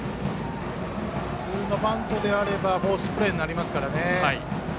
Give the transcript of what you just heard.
普通のバントであればフォースプレーになりますからね。